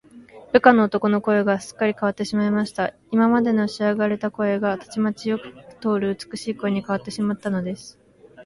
部下の男の声が、すっかりかわってしまいました。今までのしわがれ声が、たちまちよく通る美しい声にかわってしまったのです。